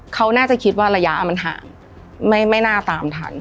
เขาน่าจะคิดว่าระยะมันห่างไม่น่าตามทัน